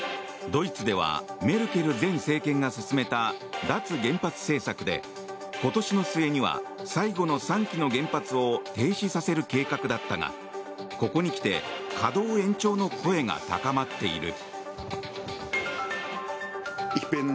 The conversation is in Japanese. ドイツではメルケル前政権が進めた脱原発政策で今年の末には最後の３基の原発を停止させる計画だったがここにきて、稼働延長の声が高まっている。